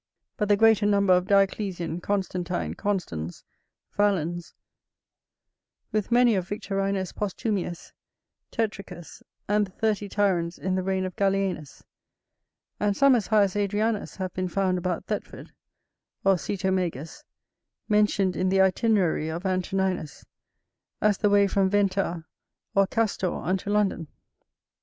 but the greater number of Dioclesian, Constantine, Constans, Valens, with many of Victorinus Posthumius, Tetricus, and the thirty tyrants in the reign of Gallienus; and some as high as Adrianus have been found about Thetford, or Sitomagus, mentioned in the Itinerary of Antoninus, as the way from Venta or Castor unto London.